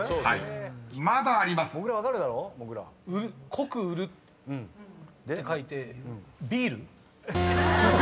濃く売るって書いてビール。